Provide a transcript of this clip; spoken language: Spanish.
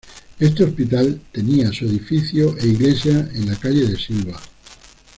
Este hospital tenía su edificio e iglesia en la calle de Silva.